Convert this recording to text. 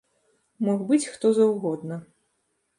Мог быць хто заўгодна.